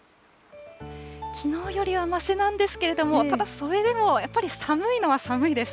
きのうよりはましなんですけれども、ただ、それでもやっぱり寒いのは寒いです。